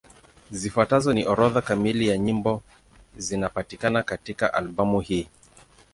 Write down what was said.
Zifuatazo ni orodha kamili ya nyimbo zinapatikana katika albamu hii.